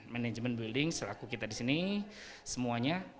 manajemen building selaku kita di sini semuanya